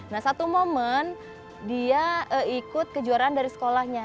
nah satu momen dia ikut kejuaraan dari sekolahnya